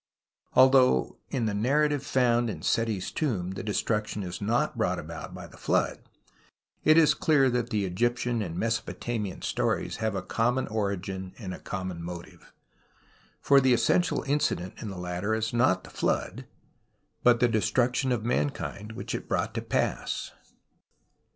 Although in the narrative found in Seti's tomb the destruction is not brought about by the Flood, it is clear that tlie Egyptian and the INlesopotamian stories have a common origin and a common motive. For tlie essential 94 TUTANKHAMEN incident in the latter is not the Flood, but the Destruction of Mankind which it brought to pass.